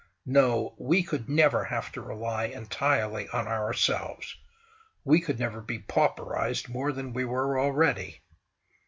No! We could never have to rely entirely on ourselves; we could never be pauperised more than we were already!